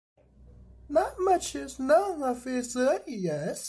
Not much is known of his early years.